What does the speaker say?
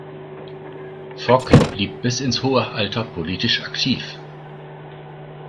Fock blieb bis ins hohe Alter politisch aktiv.